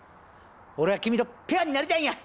俺は君とペアになりたいんや！